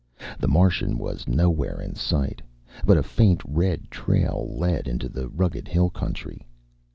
The Martian was nowhere in sight, but a faint red trail led into the rugged hill country.